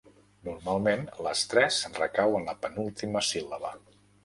Normalment l'estrès recau en la penúltima síl·laba.